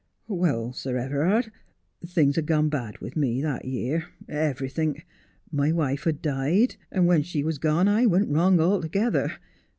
' "Well, Sir Everard, things had gone bad with me that year — everythink. My wife had died, and when she was gone I went wrong altogether.